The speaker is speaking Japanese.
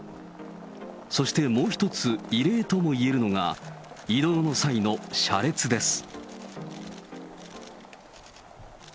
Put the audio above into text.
そしてもう一つ、異例ともいえるのが、移動の際の車列です。